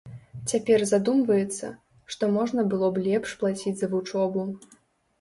Цяпер задумваецца, што можа было б лепш плаціць за вучобу.